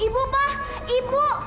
ibu pak ibu